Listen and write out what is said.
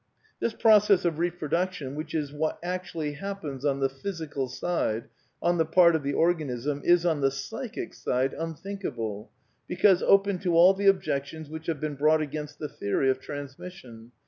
This process of reproduction, which is what actually happens on the physical side — on the part of the organism — is, on the psychic side, unthink able because open to all the objections which have been brought against the theory of transmission.